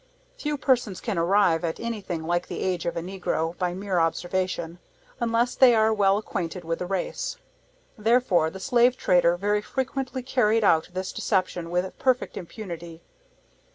Few persons can arrive at anything like the age of a Negro, by mere observation, unless they are well acquainted with the race. Therefore the slave trader very frequently carried out this deception with perfect impunity.